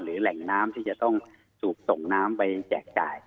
แหล่งน้ำที่จะต้องถูกส่งน้ำไปแจกจ่าย